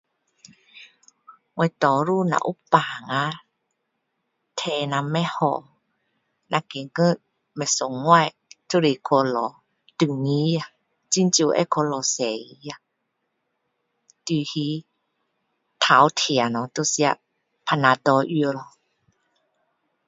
我多数若有病啊体若不好若觉得不爽快就会去找中医咯不会去找西医除非头痛就吃 panadol 药咯